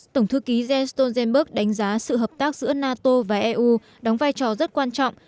tổng thư ký jens stoltenberg đánh giá sự hợp tác giữa nato và eu đóng vai trò rất quan trọng